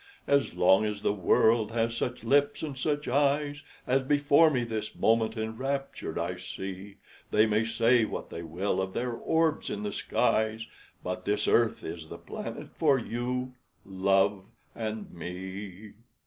As long as the world has such lips and such eyes As before me this moment enraptured I see, They may say what they will of their orbs in the skies, But this earth is the planet for you, love, and me.'